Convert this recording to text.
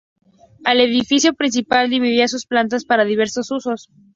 El edificio principal dividía sus plantas para diversos usos.